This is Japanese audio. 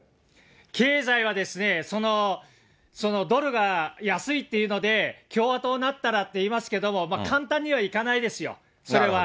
経済はドルが安いというので、共和党になったらっていいますけども、簡単にはいかないですよ、それは。